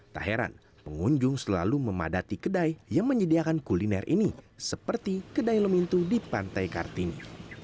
tak heran pengunjung selalu memadati kedai yang menyediakan kuliner ini seperti kedai lemintu di pantai kartini